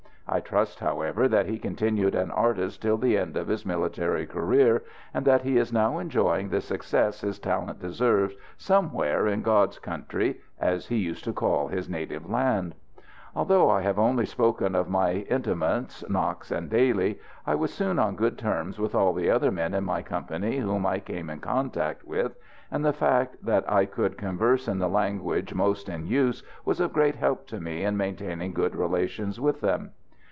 I trust, however, that he continued an artist till the end of his military career, and that he is now enjoying the success his talent deserves somewhere in "God's country," as he used to call his native land. Although I have only spoken of my intimates, Knox and Daly, I was soon on good terms with all the other men in my company whom I came in contact with, and the fact that I could converse in the languages most in use was of great help to me in maintaining good relations with them.